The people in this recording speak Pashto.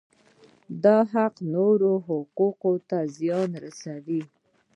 دا حق نورو حقوقو ته زیان نه رسوي.